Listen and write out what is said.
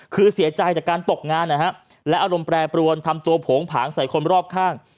คือเสียใจจากการตกงานนะฮะและอารมณ์แปรปรวนทำตัวโผงผางใส่คนรอบข้าง